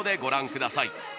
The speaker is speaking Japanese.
ください